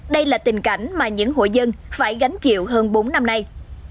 đây là tình cảnh mà những hội dân phải gánh chịu hơn bốn năm nay